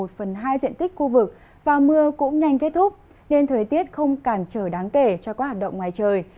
trong khoảng một phần hai diện tích khu vực và mưa cũng nhanh kết thúc nên thời tiết không cản trở đáng kể cho các hạt động ngoài trời